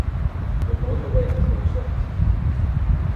The motorway has no services.